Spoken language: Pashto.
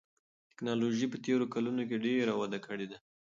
تکنالوژي په تېرو کلونو کې ډېره وده کړې ده.